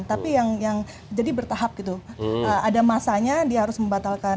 tapi yang jadi bertahap gitu ada masanya dia harus membatalkan